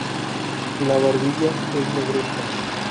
La barbilla es negruzca.